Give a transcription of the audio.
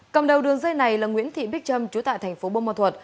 cầm đầu đường dây này là nguyễn thị bích trâm chú tại tp bông ma thuật